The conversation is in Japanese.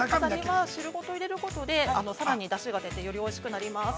汁ごと入れることで、さらにだしが出て、よりおいしくなります。